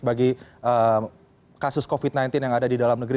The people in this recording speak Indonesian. bagi kasus covid sembilan belas yang ada di dalam negeri